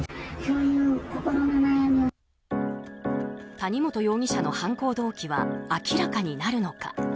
谷本容疑者の犯行動機は明らかになるのか。